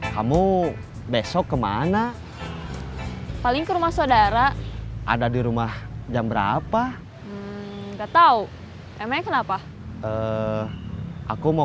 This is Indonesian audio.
kamu besok kemana paling ke rumah saudara ada di rumah jam berapa enggak tahu emang kenapa aku mau